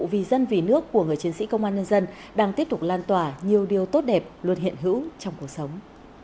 vì dân vì nước của người chiến sĩ công an nhân dân đang tiếp tục lan tỏa nhiều điều tốt đẹp luôn hiện hữu trong cuộc sống